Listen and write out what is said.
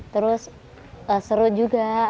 terus seru juga